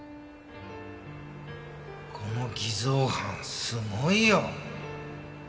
この偽造犯すごいよ。